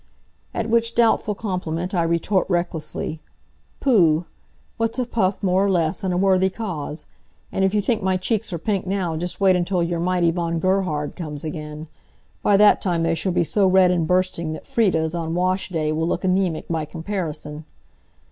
At which doubtful compliment I retort, recklessly: "Pooh! What's a puff more or less, in a worthy cause? And if you think my cheeks are pink now, just wait until your mighty Von Gerhard comes again. By that time they shall be so red and bursting that Frieda's, on wash day, will look anemic by comparison.